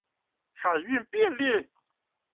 海運便利